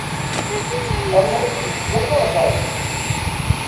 Arrac lemmden ur ẓrin.